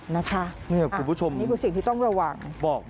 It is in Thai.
นี่คุณผู้ชมนี่คือสิ่งที่ต้องระวังบอก